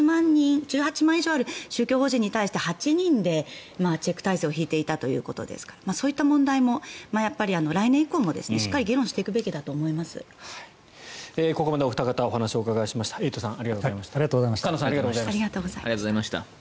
１８万以上ある宗教法人に対して８人でチェック体制を敷いていたということですからそういった問題も来年以降もしっかり議論していくべきだとお天気は、そうか森山さんか。